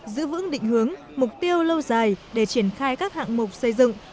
giữ vững định hướng mục tiêu lâu dài để triển khai các hạng mục xây dựng